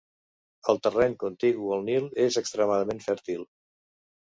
El terreny contigu al Nil és extremadament fèrtil